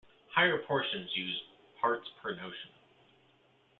Higher proportions use parts-per notation.